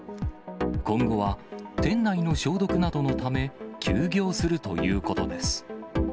今後は店内の消毒などのため、休業するということです。